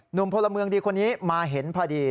พลเมืองดีคนนี้มาเห็นพอดี